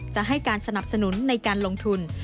จะให้การสนับสนุนในการลงทุน